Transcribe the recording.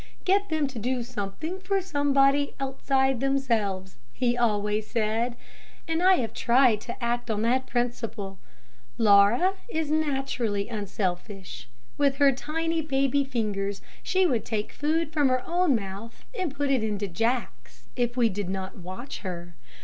"'Get them to do something for somebody outside themselves,' he always said. And I have tried to act on that principle. Laura is naturally unselfish. With her tiny, baby fingers, she would take food from her own mouth and put it into Jack's, if we did not watch her.